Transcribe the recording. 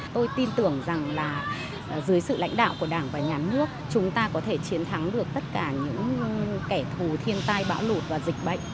tôi tin tưởng rằng là dưới sự lãnh đạo của đảng và nhà nước chúng ta có thể chiến thắng được tất cả những kẻ thù thiên tai bão lụt và dịch bệnh